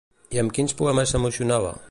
I amb quins poemes s'emocionava?